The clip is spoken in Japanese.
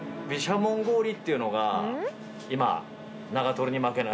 っていうのが今。